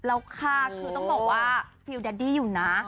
เลยน้ำสนฝีโชคเดดดี้อยู่นะ